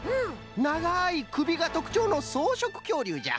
ながいくびがとくちょうのそうしょくきょうりゅうじゃ。